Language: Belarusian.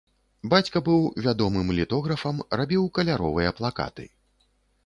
Бацька быў вядомым літографам, рабіў каляровыя плакаты.